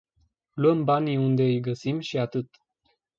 Luăm banii unde îi găsim și atât.